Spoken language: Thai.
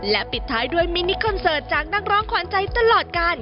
และปิดท้ายด้วยมินิคอนเสิร์ตจากนักร้องขวานใจตลอดการ